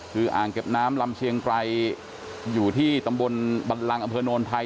คืออ่างเก็บน้ำลำเชียงไกรอยู่ที่ตำบลบันลังอำเภอโนนไทย